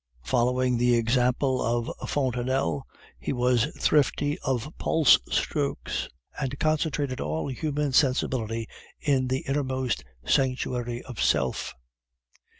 Following the example of Fontenelle, he was thrifty of pulse strokes, and concentrated all human sensibility in the innermost sanctuary of Self.